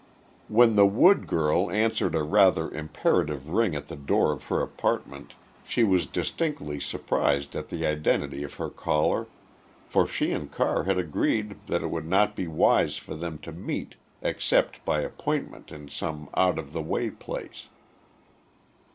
When the Wood girl answered a rather imperative ring at the door of her apartment she was distinctly surprised at the identity of her caller, for she and Carr had agreed that it would not be wise for them to meet except by appointment in some out of the way place.